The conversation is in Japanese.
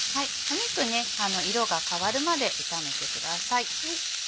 肉色が変わるまで炒めてください。